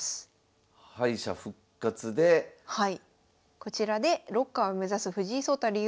こちらで六冠を目指す藤井聡太竜王